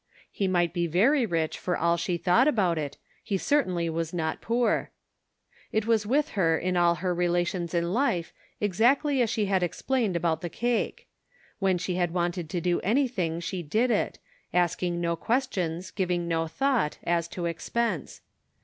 He might be very rich for all she thought about it, he certainly was not poor. It was with her in all her relations in life exactly as she had explained about the cake : when she had wanted to do anything she did it, asking no questions, giving no thought, as to expense.